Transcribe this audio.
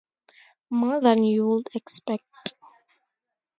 More than you would expect.